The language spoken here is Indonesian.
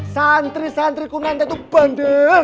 santri santri kumandir itu bandel